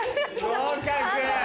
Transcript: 合格！